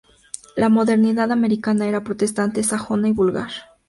La modernidad americana era protestante, sajona y vulgar.